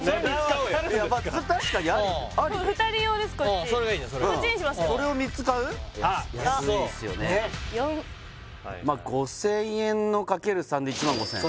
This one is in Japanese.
ねっまあ５０００円の×３で１万５０００円